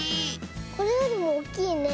これよりもおっきいね。